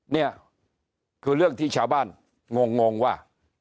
นี่คือเรื่องที่ชาวบ้านงงว่า